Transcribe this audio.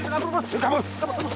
leksi penabur bos